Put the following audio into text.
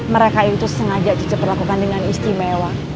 mereka itu sengaja cece perlakukan dengan istimewa